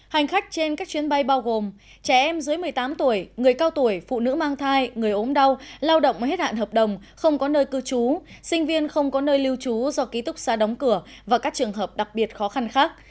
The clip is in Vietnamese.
hành khách trên các chuyến bay bao gồm trẻ em dưới một mươi tám tuổi người cao tuổi phụ nữ mang thai người ốm đau lao động mới hết hạn hợp đồng không có nơi cư trú sinh viên không có nơi lưu trú do ký túc xa đóng cửa và các trường hợp đặc biệt khó khăn khác